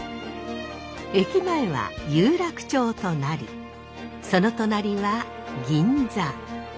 駅前は有楽町となりその隣は銀座。